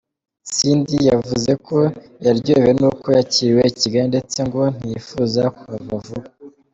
Cindy yavuze ko yaryohewe n’uko yakiriwe i Kigali ndetse ngo ntiyifuza kuhava vuba.